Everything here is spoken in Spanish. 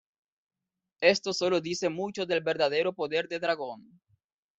Esto solo dice mucho del verdadero poder de Dragón.